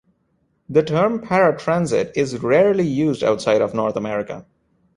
The term "paratransit" is rarely used outside of North America.